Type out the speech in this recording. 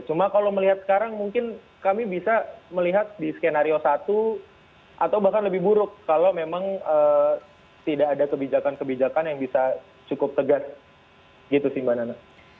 cuma kalau melihat sekarang mungkin kami bisa melihat di skenario satu atau bahkan lebih buruk kalau memang tidak ada kebijakan kebijakan yang bisa cukup tegas gitu sih mbak nana